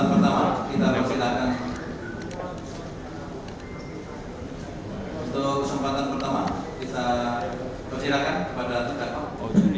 untuk kesempatan pertama kita persilahkan